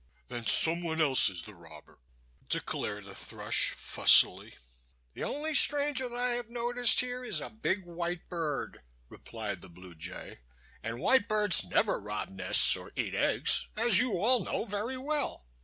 "Then some one else is the robber," declared the thrush fussily. "The only stranger I have noticed around here is a big white bird," replied the Blue Jay, "and white birds never rob nests or eat eggs, as you all know very well."